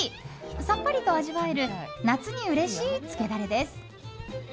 さっぱりと味わえる夏にうれしい、つけダレです。